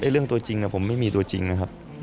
เรื่องตัวจริงผมไม่มีตัวจริงนะครับ